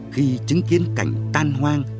khi chứng kiến cảnh tan hoang